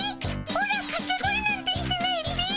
オラかけ声なんてしてないっピ。